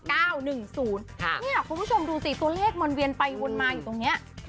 คุณผู้ชมดูสิตัวเลขมันเวียนไปวนมาอยู่ตรงนี้